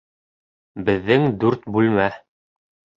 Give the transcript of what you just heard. Беҙҙең дүрт бүлмә